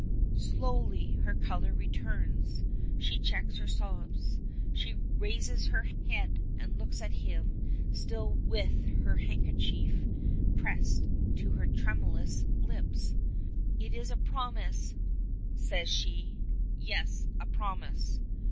Slowly her color returns. She checks her sobs. She raises her head and looks at him still with her handkerchief pressed to her tremulous lips. "It is a promise," says she. "Yes. A promise."